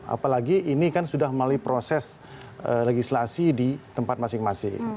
apalagi ini kan sudah melalui proses legislasi di tempat masing masing